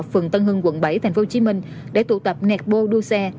phường tân hưng quận bảy tp hcm để tụ tập nẹt bô đua xe